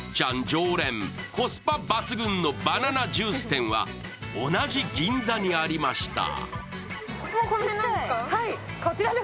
常連、コスパ抜群のバナナジュース店は同じ銀座にありました。